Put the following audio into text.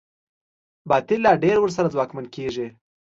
باطل لا ډېر ورسره ځواکمن کېږي.